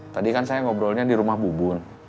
tadi kan saya ngobrolnya di rumah bubun